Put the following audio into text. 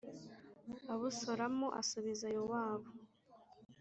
Abusalomu asubiza Yowabu